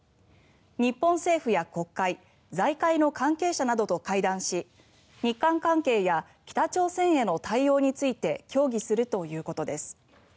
日本政府や国会財界の関係者などと会談し日韓関係や北朝鮮への対応について協議するということです。